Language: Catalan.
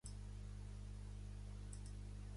Demà et va bé, a les deu punt trenta del matí?